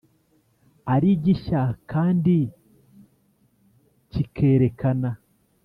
ari gishya kandi kikerekana